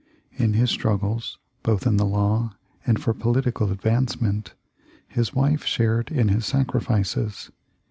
In his struggles, both in the law and for political advancement, his wife shared in his sacrifices.